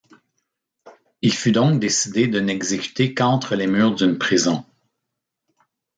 Il fut donc décidé de n'exécuter qu'entre les murs d'une prison.